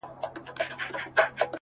دا عيسی ابن مريم درپسې ژاړي’